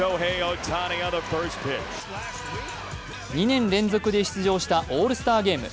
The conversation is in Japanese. ２年連続で出場したオールスターゲーム。